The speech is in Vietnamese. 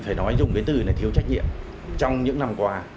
phải nói anh dùng cái từ là thiếu trách nhiệm trong những năm qua